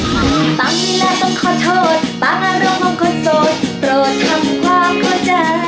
ปังนี่แหละต้องขอโทษปังอารมณ์ของคนโสดโปรดคำความเข้าใจ